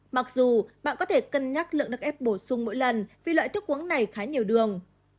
mặc dù bạn có thể cân nhắc lượng nước ép bổ sung mỗi lần vì loại thức uống này khá nhiều đường